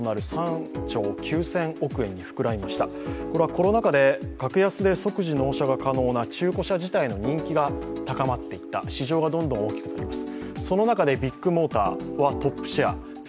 コロナ禍で格安で即時納車ができる中古車自体の人気が高まっていった、市場がどんどん大きくなりました。